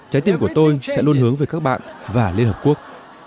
trái tim của tôi sẽ luôn hướng về các bạn và liên hợp quốc